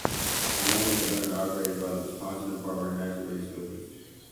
The land is owned and operated by the Wisconsin Department of Natural Resources.